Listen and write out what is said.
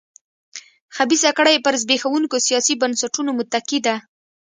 خبیثه کړۍ پر زبېښونکو سیاسي بنسټونو متکي ده.